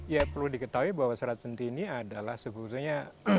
ya perlu diketahui bahwa serat sentini adalah sebetulnya